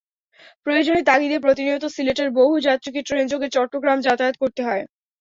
প্রয়োজনের তাগিদে প্রতিনিয়ত সিলেটের বহু যাত্রীকে ট্রেনযোগে চট্টগ্রাম যাতায়াত করতে হয়।